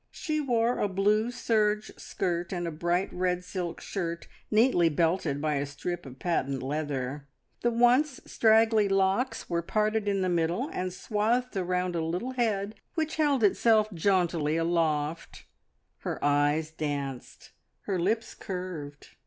She wore a blue serge skirt and a bright, red silk shirt, neatly belted by a strip of patent leather. The once straggly locks were parted in the middle, and swathed round a little head which held itself jauntily aloft; her eyes danced, her lips curved.